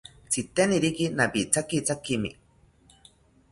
Tzitenikiri nawithakithakimi